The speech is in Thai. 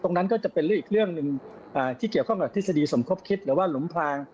ตรงนั้นก็จะเป็นเรื่องอีกเรื่องหนึ่งที่เกี่ยวข้องกับทฤษฎีสมคบคิดหรือว่าหลุมพลาง